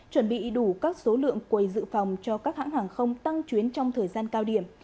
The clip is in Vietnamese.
chuẩn bị đủ các số lượng quầy dự phòng cho các hãng hàng không tăng chuyến trong thời gian cao điểm